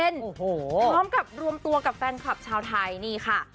พร้อมกับรวมตัวกับแฟนคลับชาวไทยนี่ค่ะ